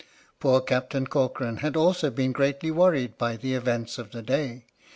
Poor Captain Corcoran had also been greatly worried by the events of the day.